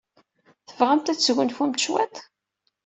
Tebɣamt ad tesgunfumt cwiṭ?